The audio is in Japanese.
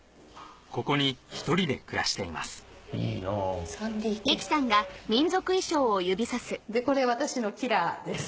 ここに１人で暮らしていますでこれ私のキラです。